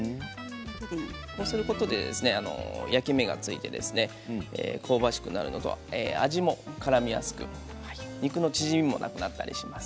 こうすることで焼き目がついて香ばしくなるのと味もからみやすく肉の縮みもなくなったりします。